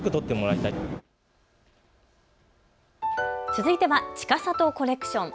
続いてはちかさとコレクション。